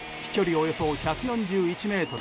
およそ１４１ｍ。